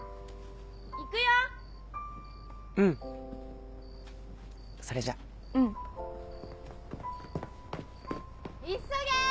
行くようんそれじゃうんいっそげー！